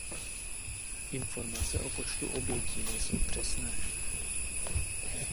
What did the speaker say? Informace o počtu obětí nejsou přesné.